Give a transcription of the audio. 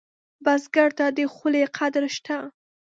بزګر ته د خولې قدر شته